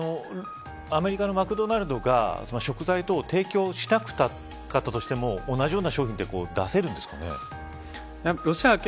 アメリカのマクドナルドが食材等を提供したかったとしても同じような商品って出せるんですかね。